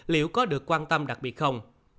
liệu có được quan tâm đặc biệt không